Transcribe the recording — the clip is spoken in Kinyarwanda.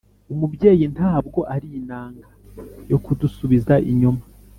“umubyeyi ntabwo ari inanga yo kudusubiza inyuma,